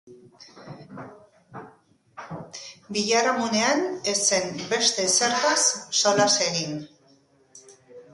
Biharamunean ez zen beste ezertaz solas egin.